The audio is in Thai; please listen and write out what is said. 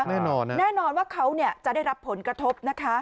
แน่นอนนะแน่นอนว่าเขาจะได้รับผลกระทบนะคะ